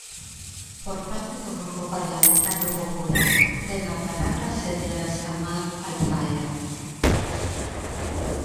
Por parte do Grupo Parlamentario Popular, ten a palabra a señora Samar Alfaia.